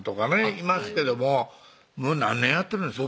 いますけどももう何年やってるんですか？